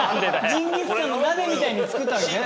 ジンギスカンの鍋みたいに作ったわけじゃない。